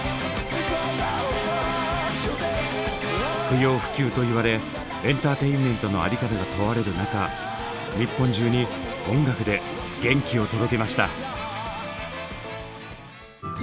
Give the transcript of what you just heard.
不要不急と言われエンターテインメントの在り方が問われる中日本中に音楽で元気を届けました。